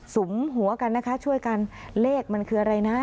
สุมหัวกันนะคะช่วยกันเลขมันคืออะไรนะ